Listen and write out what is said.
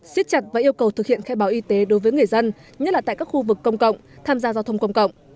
xiết chặt và yêu cầu thực hiện khai báo y tế đối với người dân nhất là tại các khu vực công cộng tham gia giao thông công cộng